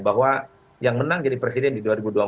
bahwa yang menang jadi presiden di dua ribu dua puluh